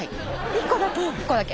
１個だけ。